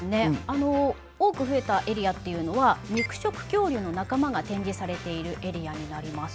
あの多く増えたエリアっていうのは肉食恐竜の仲間が展示されているエリアになります。